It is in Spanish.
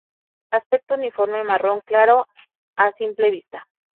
Aspecto uniforme marrón claro a simple vista.